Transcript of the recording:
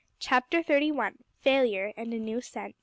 CHAPTER THIRTY ONE. FAILURE AND A NEW SCENT.